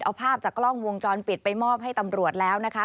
เอาภาพจากกล้องวงจรปิดไปมอบให้ตำรวจแล้วนะคะ